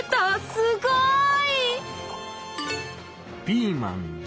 すごい！